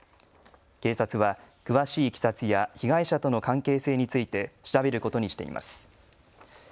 警察は詳しいいきさつや被害者との関係性について調べることにしています。